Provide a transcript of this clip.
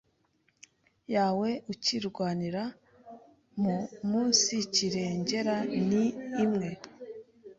yawe ukirwanira mu umunsikirengera ni imwe